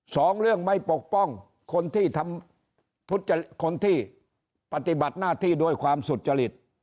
สองเรื่องไม่ปกป้องคนที่ทำคนที่ปฏิบัติหน้าที่ด้วยความสุจริต